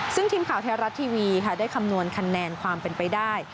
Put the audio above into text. ซึ่งทีมข่าวไทยรัฐทีวีค่ะได้คำนวณคะแนนความเป็นไปได้